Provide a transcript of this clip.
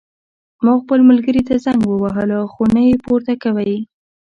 ما خپل ملګري ته زنګ ووهلو خو نه یې پورته کوی